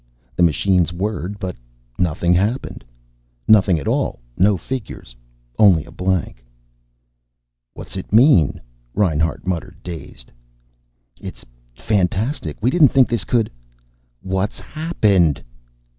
The machines whirred, but nothing happened. Nothing at all. No figures. Only a blank. "What's it mean?" Reinhart muttered, dazed. "It's fantastic. We didn't think this could " "_What's happened?